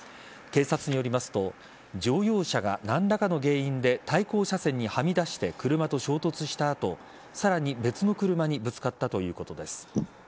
警察によりますと乗用車が何らかの原因で対向車線にはみ出して車と衝突した後さらに別の車にぶつかったということです。